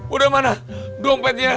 udah mana dompetnya